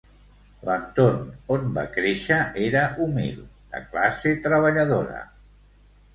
L'entorn on va créixer era humil, de classe treballadora.